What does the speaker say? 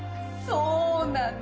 そうなの！